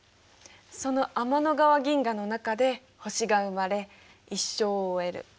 その天の川銀河の中で星が生まれ一生を終える。